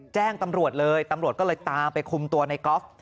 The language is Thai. แจ้งตำรวจเลยตำรวจก็เลยตามไปคุมตัวในกอล์ฟ